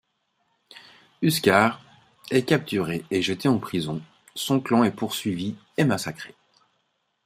Huascar est capturé et jeté en prison, son clan est poursuivi et massacré.